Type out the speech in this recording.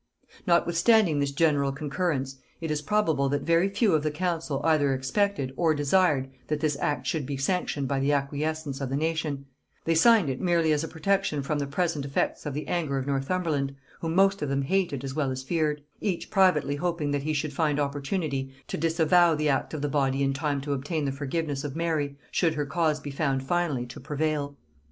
Notwithstanding this general concurrence, it is probable that very few of the council either expected or desired that this act should be sanctioned by the acquiescence of the nation: they signed it merely as a protection from the present effects of the anger of Northumberland, whom most of them hated as well as feared; each privately hoping that he should find opportunity to disavow the act of the body in time to obtain the forgiveness of Mary, should her cause be found finally to prevail.